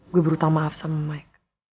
gue berutang maaf sama maik